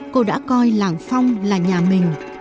cô đã coi làng phong là nhà mình